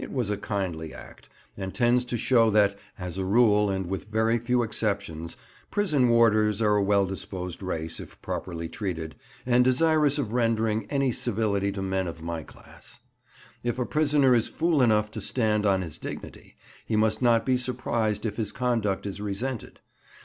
It was a kindly act, and tends to show that, as a rule and with very few exceptions, prison warders are a well disposed race if properly treated, and desirous of rendering any civility to men of my class. If a prisoner is fool enough to stand on his dignity, he must not be surprised if his conduct is resented.